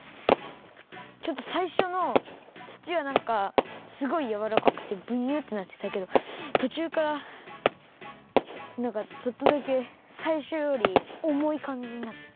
ちょっとさいしょのつちはなんかすごいやわらかくてブニュッてなってたけどとちゅうからなんかちょっとだけさいしょよりおもいかんじになった。